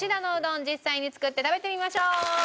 実際に作って食べてみましょう！